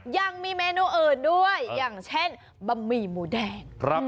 ยังมีเมนูอื่นด้วยอย่างเช่นบะหมี่หมูแดง